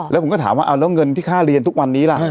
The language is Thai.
แล้วผมก็ถามว่าเอาแล้วเงินที่ค่าเรียนทุกวันนี้ล่ะ